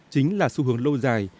chính là xu hướng lâu dài